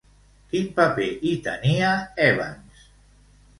Quin paper hi tenia Evans?